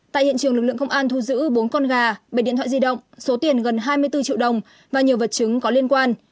tại hiện trường lực lượng công an thu giữ bốn con gà bảy điện thoại di động số tiền gần hai mươi bốn triệu đồng và nhiều vật chứng có liên quan